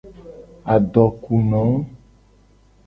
Adokuno.